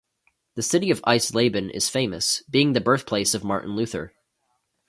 The city of Eisleben is famous, being the birthplace of Martin Luther.